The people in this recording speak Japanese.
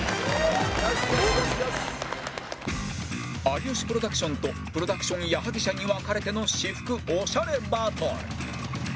有吉プロダクションとプロダクション矢作舎に分かれての私服オシャレバトル